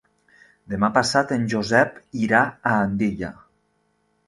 Demà passat en Josep irà a Andilla.